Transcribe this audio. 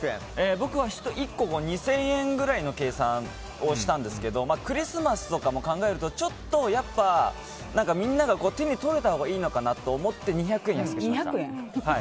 僕は１個２０００円ぐらいの計算をしたんですけどクリスマスとかも考えるとちょっと、みんなが手に取れたほうがいいのかなと思って２００円安くしました。